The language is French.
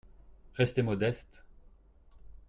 Restez modeste